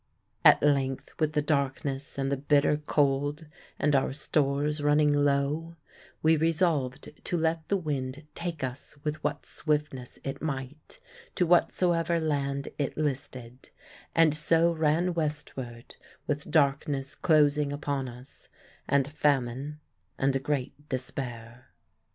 At length, with the darkness and the bitter cold and our stores running low, we resolved to let the wind take us with what swiftness it might to whatsoever land it listed; and so ran westward, with darkness closing upon us, and famine and a great despair.